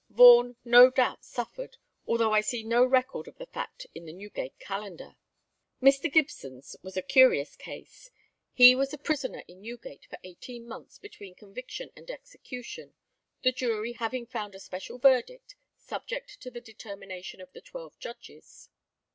Vaughan no doubt suffered, although I see no record of the fact in the Newgate Calendar. Mr. Gibson's was a curious case. He was a prisoner in Newgate for eighteen months between conviction and execution, the jury having found a special verdict, subject to the determination of the twelve judges.